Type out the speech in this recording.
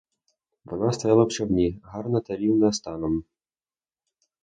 Вона стояла в човні, гарна та рівна станом.